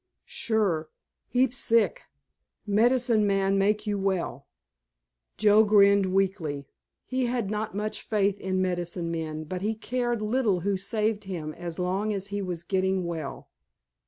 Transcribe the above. "Sure. Heap sick. Medicine man make you well." Joe grinned weakly. He had not much faith in medicine men, but he cared little who saved him as long as he was getting well.